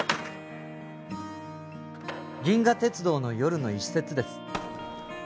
「銀河鉄道の夜」の一節です